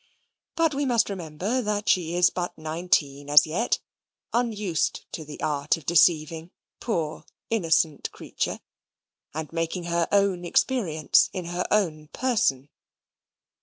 But we must remember that she is but nineteen as yet, unused to the art of deceiving, poor innocent creature! and making her own experience in her own person.